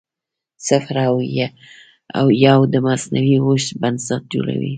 صفر او یو د مصنوعي هوښ بنسټ جوړوي.